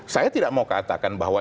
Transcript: saya tidak mau katakan bahwa